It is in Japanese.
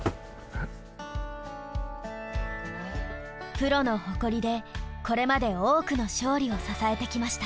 プロの誇りでこれまで多くの勝利を支えてきました。